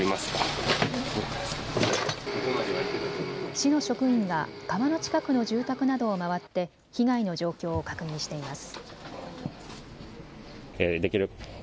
市の職員が川の近くの住宅などを回って被害の状況を確認しています。